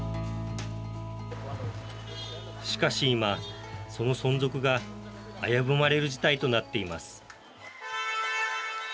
しかし今、その存続が危ぶまれる事態となっています。